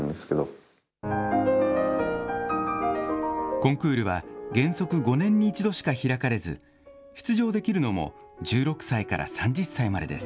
コンクールは、原則５年に１度しか開かれず、出場できるのも１６歳から３０歳までです。